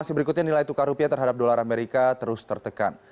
masih berikutnya nilai tukar rupiah terhadap dolar amerika terus tertekan